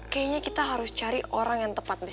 kayaknya kita harus cari orang yang tepat nih